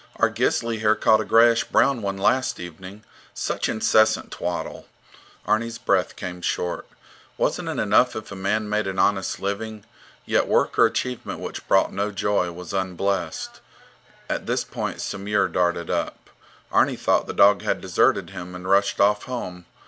Our Gisli here caught a grayish brown one last evening. Such incessant twaddle! Arni's breath came short. Wasn't it enough if a man made an honest living? Yet, work or achievement which brought no joy was unblessed. At this point Samur darted up. Arni thought the dog had deserted him and rushed off home.